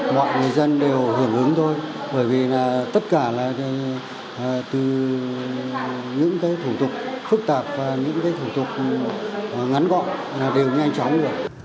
mọi người dân đều hưởng ứng thôi bởi vì tất cả là từ những thủ tục phức tạp và những thủ tục ngắn gọn đều nhanh chóng rồi